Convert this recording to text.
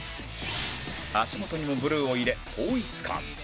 足元にもブルーを入れ統一感